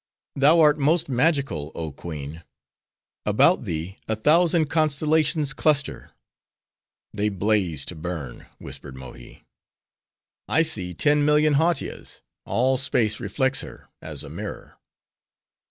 "Thou art most magical, oh queen! about thee a thousand constellations cluster." "They blaze to burn," whispered Mohi. "I see ten million Hautias!—all space reflects her, as a mirror."